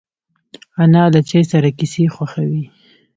انا له چای سره کیسې خوښوي